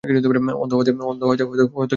অন্ধ হওয়াতে হয়তো কেউ ফেলে দিয়েছে।